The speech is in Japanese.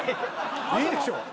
いいでしょ。